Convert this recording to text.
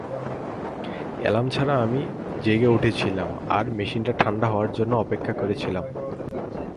Alarm ছাড়াই আমি জেগে উঠেছিলাম আর মেশিনটা ঠান্ডা হওয়ার জন্য অপেক্ষা করছিলাম।